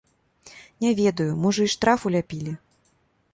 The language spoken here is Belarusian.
Не ведаю, можа, і штраф уляпілі.